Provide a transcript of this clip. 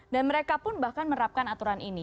dan mereka pun bahkan merapkan aturan ini